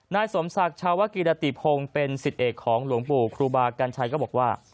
นายสมศักดิ์ชาวกิรติพงศ์เป็นสิทธิเอกของหลวงปู่ครูบากัญชัยก็บอกว่า